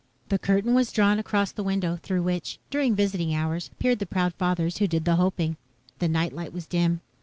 The curtain was drawn across the window through which, during visiting hours, peered the proud fathers who did the hoping. The night light was dim.